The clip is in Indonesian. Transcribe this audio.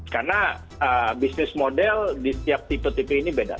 karena bisnis model di setiap tipe tipe ini beda